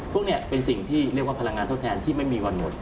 พวกนี้เป็นสิ่งที่เรียกว่าพลังงานทดแทนที่ไม่มีวันหมด